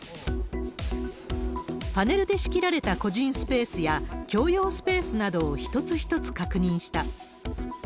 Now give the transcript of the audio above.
パネルで仕切られた個人スペースや共用スペースなどを一つ一つ確認した。